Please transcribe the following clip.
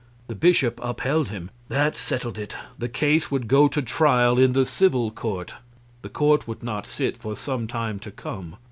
The bishop upheld him. That settled it; the case would go to trial in the civil court. The court would not sit for some time to come.